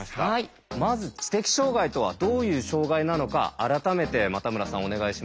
まず知的障害とはどういう障害なのか改めて又村さんお願いします。